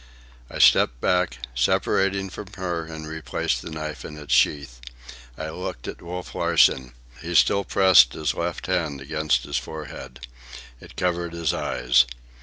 I stepped back, separating from her, and replaced the knife in its sheath. I looked at Wolf Larsen. He still pressed his left hand against his forehead. It covered his eyes.